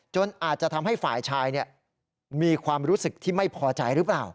อาจจะทำให้ฝ่ายชายมีความรู้สึกที่ไม่พอใจหรือเปล่า